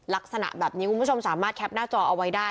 ลักษณะแบบนี้คุณผู้ชมสามารถแคปหน้าจอเอาไว้ได้